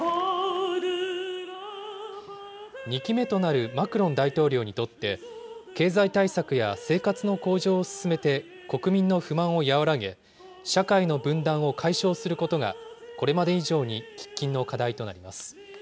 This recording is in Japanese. ２期目となるマクロン大統領にとって経済対策や生活の向上を進めて、国民の不満を和らげ、社会の分断を解消することが、これまで以上に喫緊の課題となります。